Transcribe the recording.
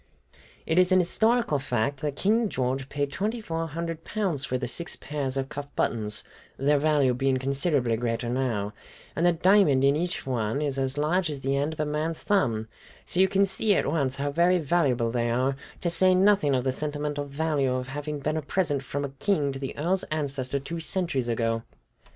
"It is an historical fact that King George paid twenty four hundred pounds for the six pairs of cuff buttons, their value being considerably greater now, and the diamond in each one is as large as the end of a man's thumb; so you can see at once how very valuable they are, to say nothing of the sentimental value of having been a present from a king to the Earl's ancestor two centuries ago."